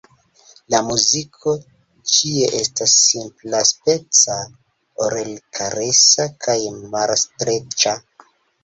La muziko ĉie estas simplaspeca, orelkaresa kaj malstreĉa.